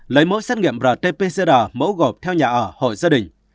lấy mẫu xét nghiệm rt pcr mẫu gọp theo nhà ở hội gia đình